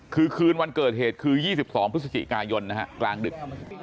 คือคืนวันเกิดเหตุคือ๒๒พฤศจิกายนนะฮะกลางดึก